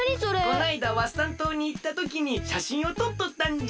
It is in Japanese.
こないだワッサン島にいったときにしゃしんをとっとったんじゃ。